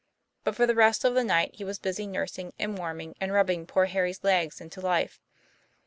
But for the rest of the night he was busy nursing and warming and rubbing poor Harry's legs into life.